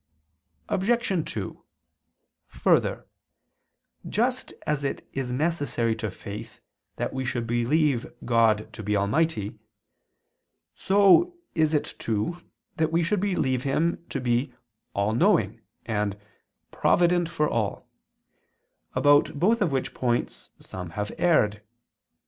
Obj. 2: Further, just as it is necessary to faith that we should believe God to be almighty, so is it too that we should believe Him to be "all knowing" and "provident for all," about both of which points some have erred.